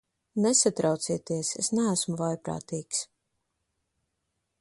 Nesatraucieties, es neesmu vājprātīgs.